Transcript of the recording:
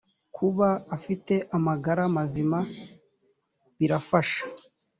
kuba afite amagara mazima birafasha.